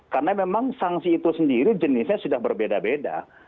karena memang sanksi itu sendiri jenisnya sudah berbeda beda